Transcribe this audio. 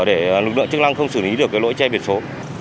để lực lượng chức năng không xử lý được cái lỗi che biển số